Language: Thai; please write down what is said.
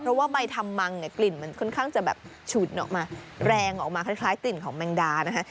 เพราะว่าใบทำมังเนี่ยกลิ่นมันค่อนข้างจะแบบฉุนออกมาแรงออกมาคล้ายกลิ่นของแมงดานะคะ